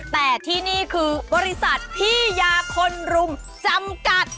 แต่ที่นี่คือบริษัทพี่ยาคนรุมจำกัด